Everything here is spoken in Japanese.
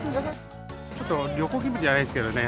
ちょっと旅行気分じゃないですけどね。